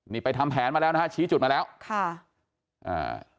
นี่ไปทำแผนมาแล้วนะฮะชี้จุดมาแล้วค่ะอ่า